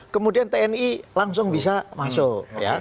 kemudian tni langsung bisa masuk